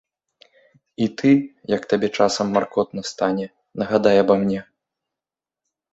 І ты як табе часам маркотна стане, нагадай аба мне.